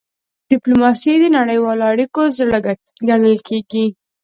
ډيپلوماسي د نړیوالو اړیکو زړه ګڼل کېږي.